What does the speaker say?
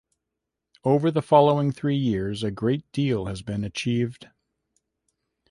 Over the following three years a great deal has been achieved.